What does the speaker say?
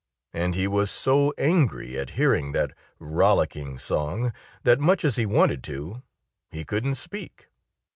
And he was so angry at hearing that rollicking song that much as he wanted to, he couldn't speak.